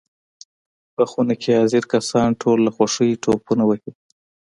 په خونه کې حاضر کسان ټول له خوښۍ ټوپونه وهي.